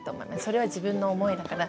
それは自分の思いだから。